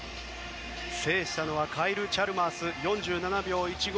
制したのはカイル・チャルマースで４７秒１５。